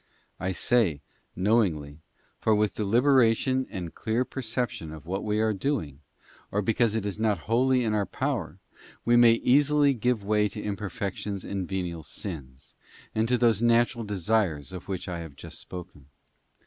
I say knowingly, for without deliberation and a clear per ception of what we are doing, or because it is not wholly in our power, we may easily give way to imperfections and venial sins, and to those natural desires of which I have just spoken.